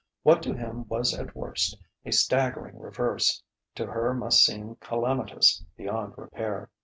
What to him was at worst a staggering reverse, to her must seem calamitous beyond repair.